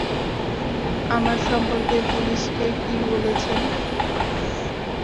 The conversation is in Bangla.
আমার সম্পর্কে পুলিশকে কি বলেছেন?